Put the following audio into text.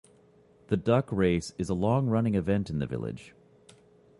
The Duck Race is a long-running event in the village.